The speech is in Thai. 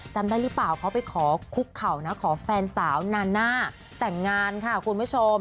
ได้หรือเปล่าเขาไปขอคุกเข่านะขอแฟนสาวนาน่าแต่งงานค่ะคุณผู้ชม